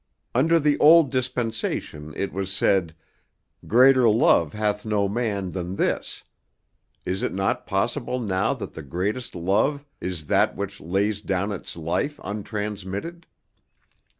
Under the old dispensation it was said, 'Greater love hath no man than this;' is it not possible now that the greatest love is that which lays down its life untransmitted?